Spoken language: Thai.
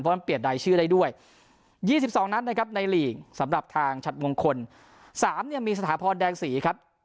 เพราะมันเปลี่ยนรายชื่อได้ด้วย๒๒นัดนะครับในหลีกสำหรับทางฉัดมงคล๓เนี่ยมีสถาพรแดงศรีครับ